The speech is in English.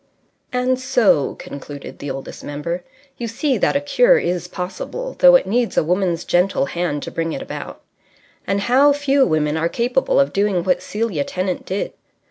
And so (concluded the Oldest Member) you see that a cure is possible, though it needs a woman's gentle hand to bring it about. And how few women are capable of doing what Celia Tennant did.